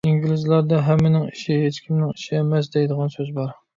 ئىنگلىزلاردا «ھەممىنىڭ ئىشى ھېچكىمنىڭ ئىشى» ئەمەس، دەيدىغان سۆز بار.